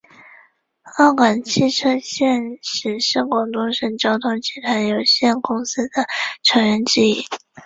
粤港汽车现时是广东省交通集团有限公司的成员之一。